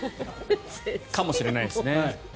かもしれないですね。